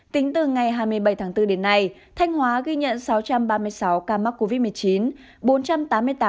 tính từ ngày hai mươi bảy tháng bốn đến nay thanh hóa ghi nhận sáu trăm ba mươi sáu ca mắc covid một mươi chín